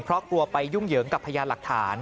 เพราะกลัวไปยุ่งเหยิงกับพยานหลักฐาน